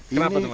kenapa itu mas